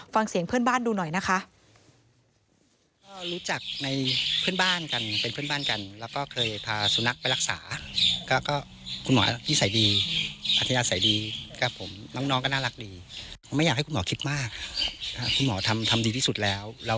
ฟังเสียงเพื่อนบ้านดูหน่อยนะคะ